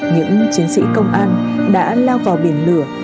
những chiến sĩ công an đã lao vào biển lửa